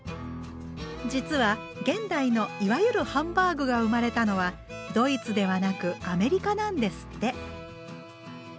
実は現代のいわゆるハンバーグが生まれたのはドイツではなくアメリカなんですって。